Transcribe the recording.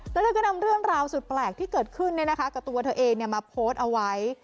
แล้วเธอก็นำเรื่องราวสุดแปลกที่เกิดขึ้นกับตัวเธอเองมาโพสต์เอาไว้